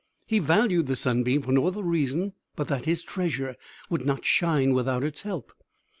He valued the sunbeam for no other reason but that his treasure would not shine without its help.